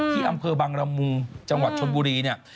ที่อำเภอบังละมุงจังหวัดชนบุรีเนี่ย